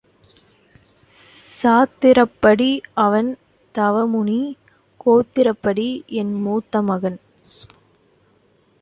சாத்திரப்படி அவன் தவமுனி, கோத்திரப்படி என் மூத்த மகன்.